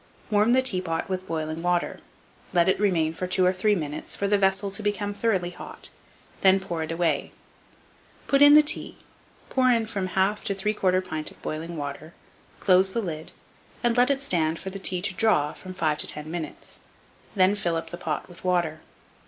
Warm the teapot with boiling water; let it remain for two or three minutes for the vessel to become thoroughly hot, then pour it away. Put in the tea, pour in from 1/2 to 3/4 pint of boiling water, close the lid, and let it stand for the tea to draw from 5 to 10 minutes; then fill up the pot with water.